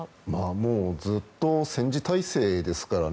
もうずっと戦時体制ですからね。